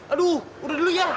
aduh udah dulu ya